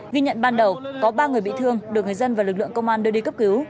ghi nhận ban đầu có ba người bị thương được người dân và lực lượng công an đưa đi cấp cứu